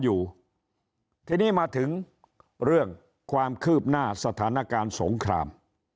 อยู่ทีนี้มาถึงเรื่องความคืบหน้าสถานการณ์สงคราม